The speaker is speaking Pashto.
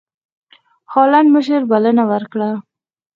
هالنډ مشر بلنه ورکړه.